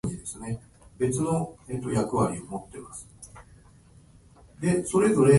君が笑顔になる瞬間なんで泣けてくるんだろう